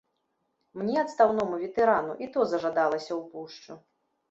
Мне, адстаўному ветэрану, і то зажадалася ў пушчу.